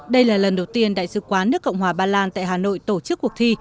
đây là lần đầu tiên đại sứ quán nước cộng hòa ba lan tại hà nội tổ chức cuộc thi